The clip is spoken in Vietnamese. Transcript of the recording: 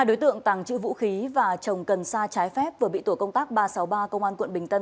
hai đối tượng tảng chữ vũ khí và chồng cần sa trái phép vừa bị tổ công tác ba trăm sáu mươi ba công an quận bình tân